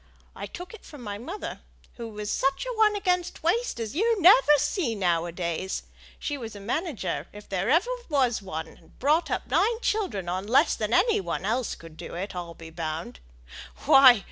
I took it from my mother, who was such a one against waste as you never see now a days. She was a manager, if ever there was a one; and brought up nine children on less than any one else could do, I'll be bound. Why!